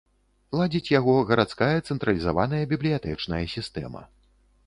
Ладзіць яго гарадская цэнтралізаваная бібліятэчная сістэма.